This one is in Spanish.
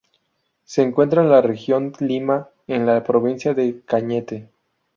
Se encuentra en la región Lima, en la provincia de Cañete.